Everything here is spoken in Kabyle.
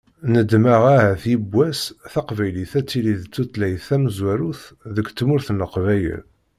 Neḍmeɛ ahat yiwwas, taqbaylit ad tili d tutlayt tamezwarut deg tmurt n Leqbayel.